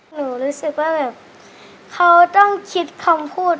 รู้สึกว่าแบบเขาต้องคิดคำพูด